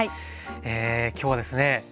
今日はですね